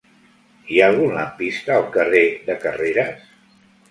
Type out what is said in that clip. Hi ha algun lampista al carrer de Carreras?